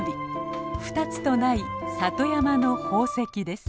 二つとない里山の宝石です。